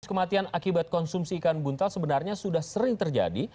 kasus kematian akibat konsumsi ikan buntal sebenarnya sudah sering terjadi